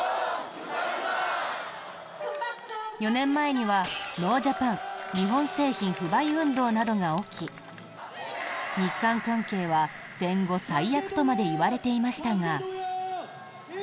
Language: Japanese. ４年前には、ノージャパン日本製品不買運動などが起き日韓関係は戦後最悪とまでいわれていましたが。